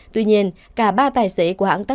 tuy nhiên cả ba tài xế của hãng taxi